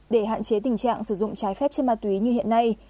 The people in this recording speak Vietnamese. để hạn chế tình trạng sử dụng trái phép chất ma túy như hiện nay